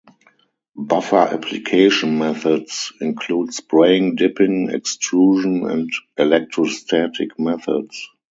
Buffer application methods include spraying, dipping, extrusion and electrostatic methods.